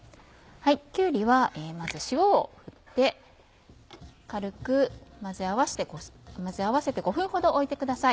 きゅうりはまず塩を振って軽く混ぜ合わせて５分ほど置いてください。